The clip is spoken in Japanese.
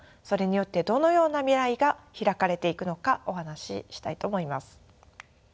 それによってどのような未来が拓かれていくのかお話ししたいと思います。